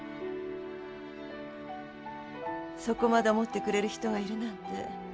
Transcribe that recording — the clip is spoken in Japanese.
そこまで思ってくれる人がいるなんて。